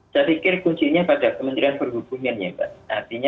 saya pikir kuncinya pada kementerian perhubungan ya mbak